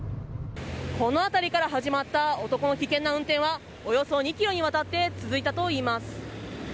この辺りから始まった男の危険な運転はおよそ２ｋｍにわたって続いたといいます。